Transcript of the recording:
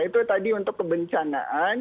itu tadi untuk kebencanaan